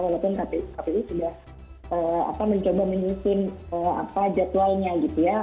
walaupun kpu sudah mencoba menyusun jadwalnya gitu ya